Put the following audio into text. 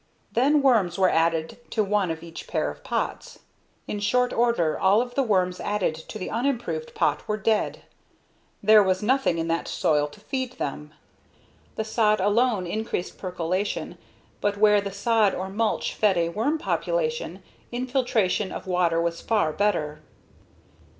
Then worms were added to one of each pair of pots. In short order all of the worms added to the unimproved pot were dead. There was nothing in that soil to feed them. The sod alone increased percolation but where the sod or mulch fed a worm population, infiltration of water was far better.